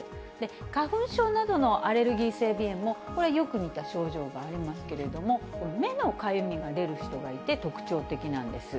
花粉症などのアレルギー性鼻炎もこれ、よく似た症状がありますけれども、目のかゆみが出る人がいて、特徴的なんです。